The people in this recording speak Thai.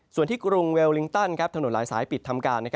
ส่วนที่กรุงเวลลิงตันถนนหลายสายปิดทำการ